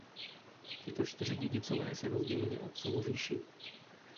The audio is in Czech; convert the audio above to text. Tito čtyři dědicové si rozdělili otcovu říši.